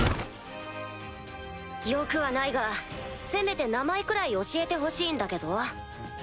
よくはないがせめて名前くらい教えてほしいんだけど？